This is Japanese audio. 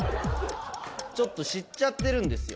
ちょっと知っちゃってるんですよ。